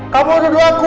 kamu nuduh aku